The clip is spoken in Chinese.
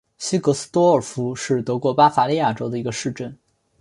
西格斯多尔夫是德国巴伐利亚州的一个市镇。